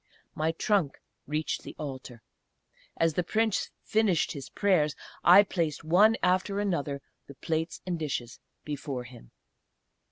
My trunk reached the Altar. As the Prince finished his prayers I placed, one after another, the plates and dishes before him.